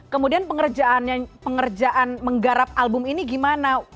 kemudian pengerjaan menggarap album ini gimana